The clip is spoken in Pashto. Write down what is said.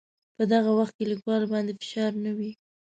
په دغه وخت کې لیکوال باندې فشار نه وي.